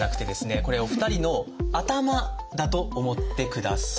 これお二人の頭だと思ってください。